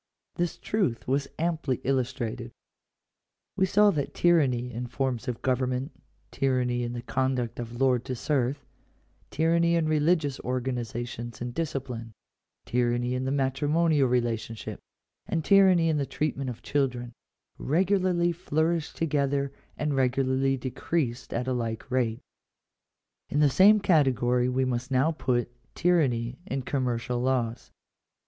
This truth was amply illustrated (pp. 161 and 178). We saw that tyranny in forms of govern ment, tyranny in the conduct of lord to serf, tyranny in religious organizations and discipline, tyranny in the matrimonial rela tionship, and tyranny in the treatment of children, regularly flourished together and regularly decreased at a like rate. In the same category we must now put — tyranny in commercial laws.